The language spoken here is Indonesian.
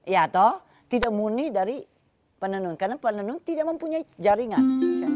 ya toh tidak muni dari penenun karena penenun tidak mempunyai jaringan